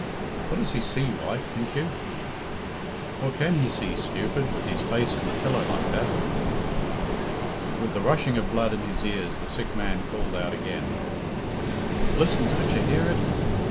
"What does he see, wife, think you?" "What can he see, stupid, with his face in the pillow like that?" With the rushing of blood in his ears the sick man called out again: "Listen! Don't you hear it?